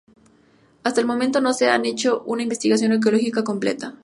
Hasta el momento no se han hecho una investigación arqueológica completa.